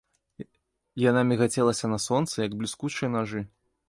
Яна мігацелася на сонцы, як бліскучыя нажы.